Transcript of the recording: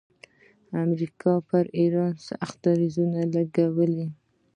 امریکا پر ایران سخت بندیزونه لګولي.